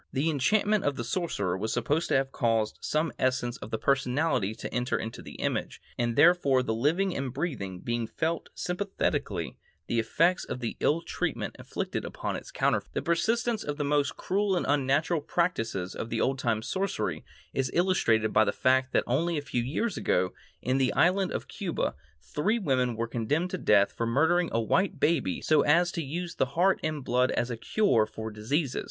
The enchantment of the sorcerer was supposed to have caused some essence of the personality to enter into the image, and therefore the living and breathing being felt sympathetically the effects of the ill treatment inflicted upon its counterfeit. The persistence of the most cruel and unnatural practices of old time sorcery is illustrated by the fact that only a few years ago, in the island of Cuba, three women were condemned to death for murdering a white baby so as to use the heart and blood as a cure for diseases.